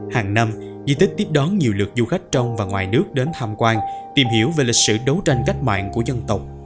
hàng năm di tích tiếp đón nhiều lượt du khách trong và ngoài nước đến tham quan tìm hiểu về lịch sử đấu tranh cách mạng của dân tộc